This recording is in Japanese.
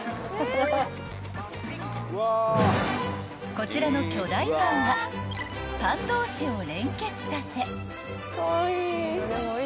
［こちらの巨大パンはパン同士を連結させ］